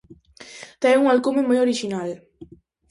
Ten un alcume moi orixinal.